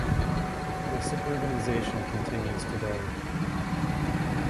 This suburbanization continues today.